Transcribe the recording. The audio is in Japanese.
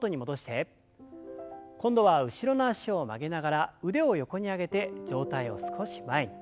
今度は後ろの脚を曲げながら腕を横に上げて上体を少し前に。